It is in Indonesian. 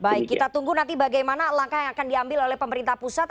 baik kita tunggu nanti bagaimana langkah yang akan diambil oleh pemerintah pusat